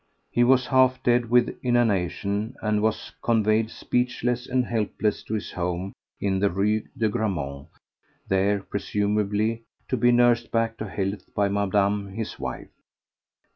He was half dead with inanition, and was conveyed speechless and helpless to his home in the Rue de Grammont, there, presumably, to be nursed back to health by Madame his wife.